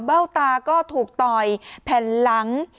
เบ้าตาก็ถูกต่อยแผ่นหลัง